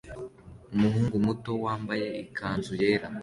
Umuhungu muto wambaye ikanzu yera